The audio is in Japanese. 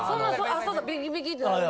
そうそうビキビキって。